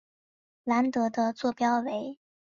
兰德的座标为。